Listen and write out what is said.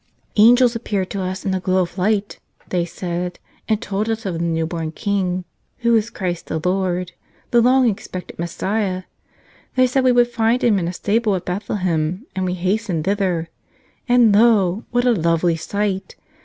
"Angels appeared to us in a glow of light," they said, "and told us of the new born King — Who is Christ the Lord, the long expected Messiah. They said we would find Him in a stable at Bethlehem, and we hastened thither. And lo ! what a lovely sight!